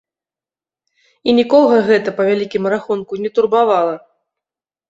І нікога гэта, па вялікім рахунку, не турбавала.